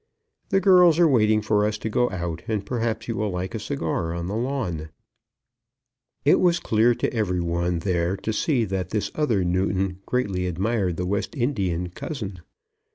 The girls are waiting for us to go out, and perhaps you will like a cigar on the lawn." It was clear to every one there to see that this other Newton greatly admired the West Indian cousin.